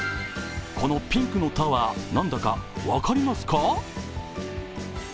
このピンクのタワー、何だか分かりますか？